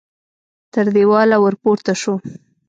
تر دېواله ور پورته شو.